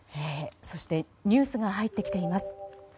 ニュースが入ってきています。